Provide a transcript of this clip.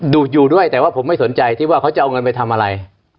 อยู่ด้วยแต่ว่าผมไม่สนใจที่ว่าเขาจะเอาเงินไปทำอะไร